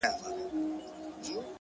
هر انسان د اغېز ځواک لري,